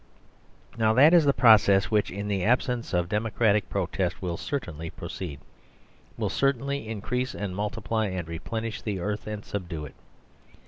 Now that is the process which, in the absence of democratic protest, will certainly proceed, will increase and multiply and replenish the earth and subdue it.